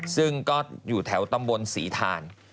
ซึ่งก็อยู่แถวตำบลศรีทาน